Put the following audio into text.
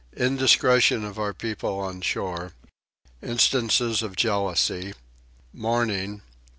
Indiscretion of our People on Shore. Instances of Jealousy. Mourning.